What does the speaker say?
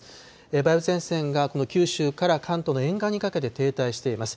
梅雨前線がこの九州から関東の沿岸にかけて停滞しています。